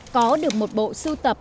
có được một bộ sưu tập